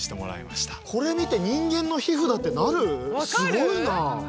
すごいな。